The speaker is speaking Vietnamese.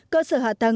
cơ sở hạ tầng